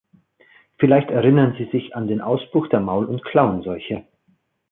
Vielleicht erinnern Sie sich an den Ausbruch der Maul- und Klauenseuche?